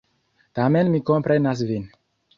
Tamen mi komprenas Vin!